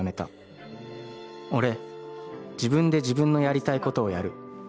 “俺、自分で、自分のやりたいことをやる。